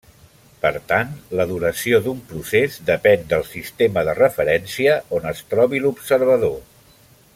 Per tant, la duració d'un procés depèn del sistema de referència on es trobi l'observador.